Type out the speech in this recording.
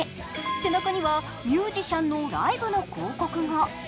背中にはミュージシャンのライブの広告が。